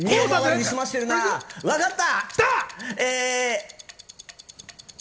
わかった！